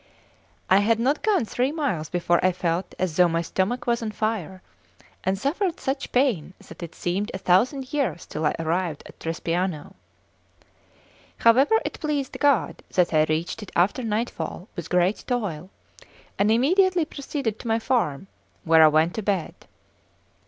I had not gone three miles before I felt as though my stomach was on fire, and suffered such pain that it seemed a thousand years till I arrived at Trespiano. However, it pleased God that I reached it after nightfall with great toil, and immediately proceeded to my farm, where I went to bed.